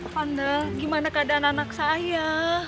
panda gimana keadaan anak saya